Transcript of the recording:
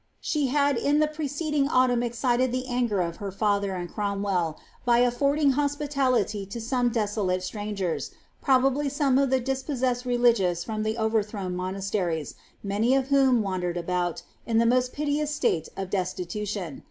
She had in the pf» ceding autumn excited the anirer of her father and CrotnwelU by aflofd« ing hospitality to some de5<»laie strangers — probably some of the dis» possessed relififious from the overthrown monasteries, many of vhcMi wandered alK>ut, in the most piteous state of destitution.